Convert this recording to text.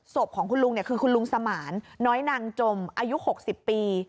ศพของคุณลุงเนี้ยคือคุณลุงสมารน้อยนางจมอายุหกสิบปี